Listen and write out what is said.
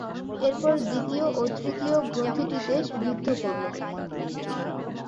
তারপর দ্বিতীয় ও তৃতীয় গ্রন্থিটিতে বিদ্ধ করল।